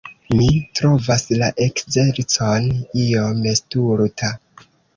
Mi trovas la ekzercon iom stulta.